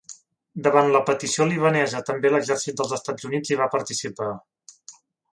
Davant la petició libanesa també l'exèrcit dels Estats Units hi va participar.